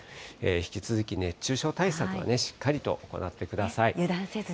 引き続き熱中症対策はね、しっかりと行ってください。